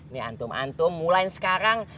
nih antum antum mulain sekarang